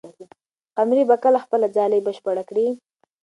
قمري به کله خپله ځالۍ بشپړه کړي؟